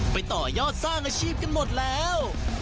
ต่อยอดสร้างอาชีพกันหมดแล้ว